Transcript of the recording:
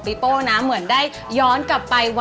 โป้นะเหมือนได้ย้อนกลับไป